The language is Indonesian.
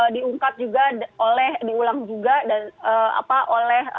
diungkap juga oleh